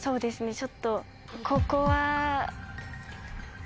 ちょっとここは。